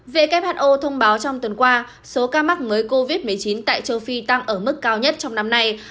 who thông báo trong tuần qua số ca mắc mới covid một mươi chín tại châu phi tăng ở mức cao nhất trong năm nay